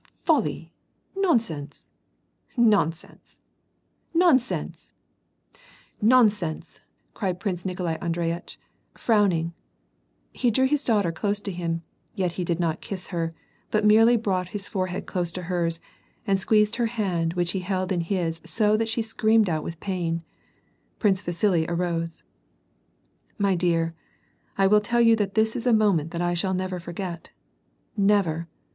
"Folly ! nonsense ! nonsense ! nonsense ! nonsense !" cried Prince Nikolai Andreyitch, frowning ; he drew his daughter to him, yet he did not kiss her, but merely brought his forehead close to hers, and squeezed her hand which he held in his so that she screamed out with pain. Prince Vasili arose, — "My dear,'! will tell you that this is a moment that I shall never forget, never